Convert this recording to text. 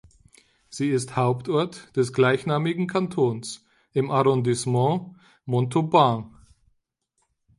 Sie ist Hauptort des gleichnamigen Kantons im Arrondissement Montauban.